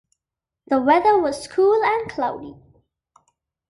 The weather was cool and cloudy.